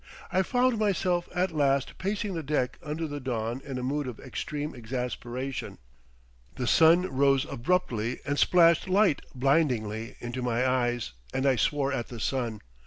I found myself at last pacing the deck under the dawn in a mood of extreme exasperation. The sun rose abruptly and splashed light blindingly into my eyes and I swore at the sun.